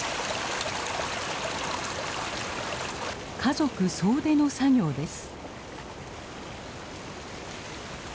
家族総出の作業です。